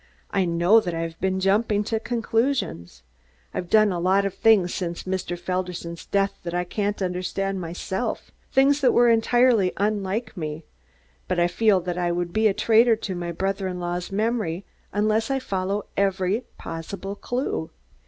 I know that I have been jumping at conclusions. I've done a lot of things since Mr. Felderson's death that I can't understand, myself, things that were entirely unlike me but I feel that I would be a traitor to my brother in law's memory unless I follow every possible clue.